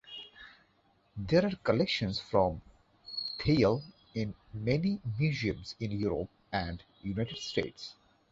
There are collections from Thiel in many museums in Europe and the United States.